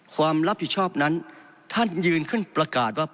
ความรับผิดชอบนั้นท่านยืนขึ้นประกาศว่า